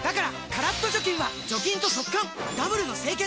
カラッと除菌は除菌と速乾ダブルの清潔！